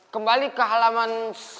kembali ke halaman satu ratus sepuluh